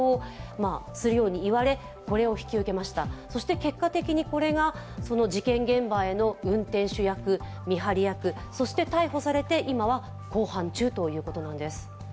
結果的にこれが、事件現場への運転手役、見張り役そして逮捕されて、今は公判中ということなんです。